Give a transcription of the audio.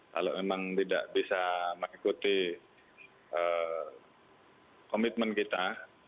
kalau memang tidak bisa mengikuti komitmen kita